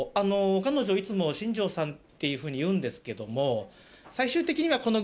彼女いつも新庄さんっていうふうに言うんですけども。